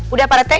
udah pak rete